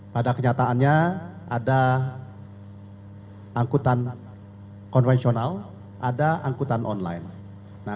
pada kenyataannya ada angkutan konvensional ada angkutan online